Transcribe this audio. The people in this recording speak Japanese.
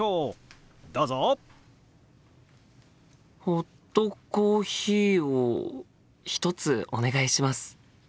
ホットコーヒーを１つお願いします。